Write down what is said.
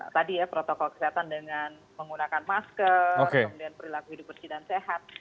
tadi ya protokol kesehatan dengan menggunakan masker kemudian perilaku hidup bersih dan sehat